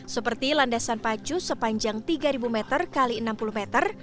seperti landasan pacu sepanjang tiga meter x enam puluh meter